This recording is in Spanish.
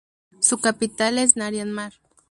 Su capital es Narian-Mar.